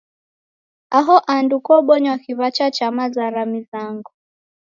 Aho andu kobonywa kiw'acha cha maza ra mizango.